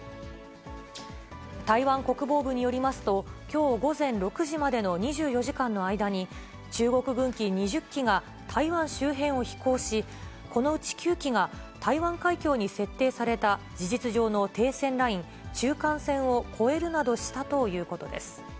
台湾国防部によりますと、きょう午前６時までの２４時間の間に、中国軍機２０機が台湾周辺を飛行し、このうち９機が台湾海峡に設定された事実上の停戦ライン、中間線を越えるなどしたということです。